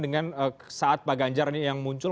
dengan saat pak ganjar ini yang muncul